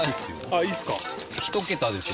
あっいいですか？